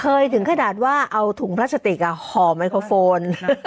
ถึงขนาดว่าเอาถุงพลาสติกห่อไมโครโฟน